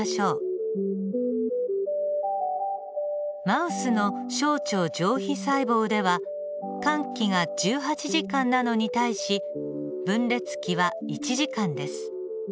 マウスの小腸上皮細胞では間期が１８時間なのに対し分裂期は１時間です。